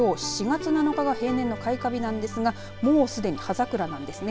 ４月７日が平年の開花日ですがもうすでに葉桜なんですね。